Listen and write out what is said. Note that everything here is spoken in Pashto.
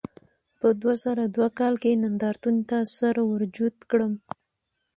په دوه زره دوه کال کې نندارتون ته سر ورجوت کړم.